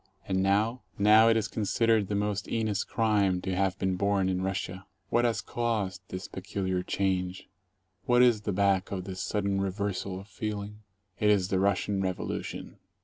And now? Now it is considered the most heinous crime to have been born in Russia. What has caused this peculiar change? What is back of this sudden reversal of feeling? It is the Russian Revolution.